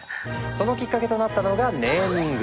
そのきっかけとなったのがネーミング！